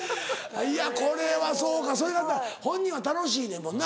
いやこれはそうかそれが本人は楽しいねんもんな。